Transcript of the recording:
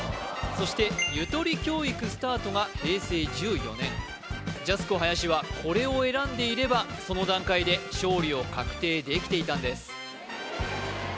そして「ゆとり教育」スタートが平成１４年ジャスコ林はこれを選んでいればその段階で勝利を確定できていたんです